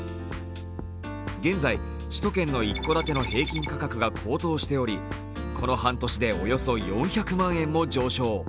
現在、首都圏の一戸建ての平均価格が高騰しておりこの半年でおよそ４００万円も上昇。